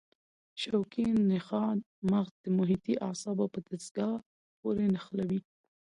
شوکي نخاع مغز د محیطي اعصابو په دستګاه پورې نښلوي.